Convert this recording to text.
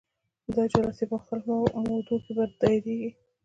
دا جلسې په مختلفو مودو کې دایریږي.